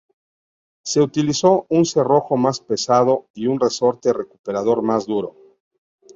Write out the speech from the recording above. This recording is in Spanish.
Se utilizó un cerrojo más pesado y un resorte recuperador más duro.